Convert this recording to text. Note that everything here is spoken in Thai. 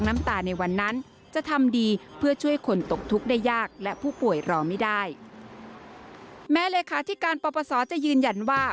แม้เลขาธิการปปศจะยืนยันว่า